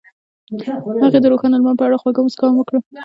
هغې د روښانه لمر په اړه خوږه موسکا هم وکړه.